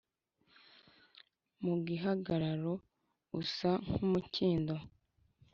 Mu gihagararo usa n’umukindo,